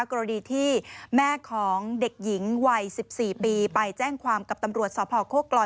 กรณีที่แม่ของเด็กหญิงวัย๑๔ปีไปแจ้งความกับตำรวจสพโคกลอย